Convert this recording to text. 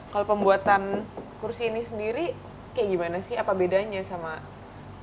kalau pembuatan kursi ini sendiri kayak gimana sih apa bedanya sama kursi